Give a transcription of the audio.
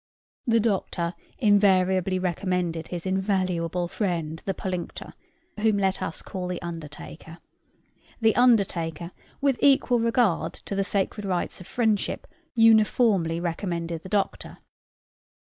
The doctor invariably recommended his invaluable friend the pollinctor, (whom let us call the undertaker;) the undertaker, with equal regard to the sacred rights of friendship, uniformly recommended the doctor.